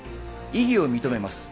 異議を認めます。